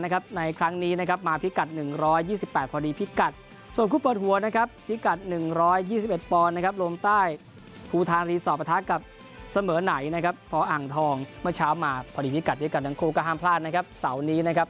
กลับไปเงิน๑๔ลสไป๑๔ส่วนหมูน้ำเงินนะครับ